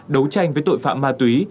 đấu tranh với tội phạm ma túy